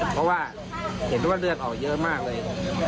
เพราะว่าเห็นว่าเลือดออกเยอะมากเลย